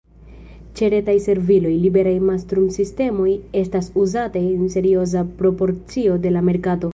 Ĉe retaj serviloj, liberaj mastrumsistemoj estas uzataj en serioza proporcio de la merkato.